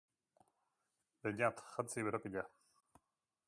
Beñat, jantzi berokia.